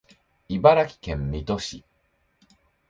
茨城県水戸市